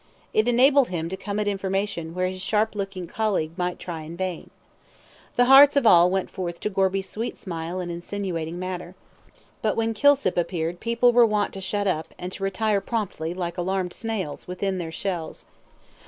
It enabled him to come at information where his sharp looking colleague might try in vain. The hearts of all went forth to Gorby's sweet smile and insinuating manner. But when Kilsip appeared people were wont to shut up, and to retire promptly, like alarmed snails, within their shells.